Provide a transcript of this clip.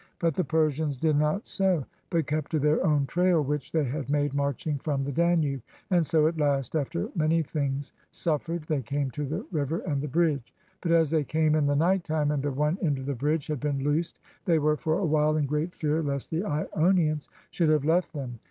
But the Persians did not so, but kept to their own trail which they had made marching from the Danube; and so at last, after many things suffered, they came to the river and the bridge. But as they came in the night time, and the one end of the bridge had been loosed, they were for a while in great fear lest the lonians should have left them.